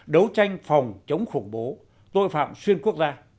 đấu tranh phòng chống khủng bố tội phạm xuyên quốc gia